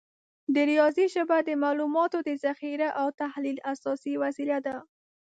د ریاضي ژبه د معلوماتو د ذخیره او تحلیل اساسي وسیله ده.